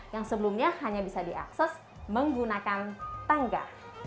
yang sebelumnya hanya bisa diakses menggunakan tangga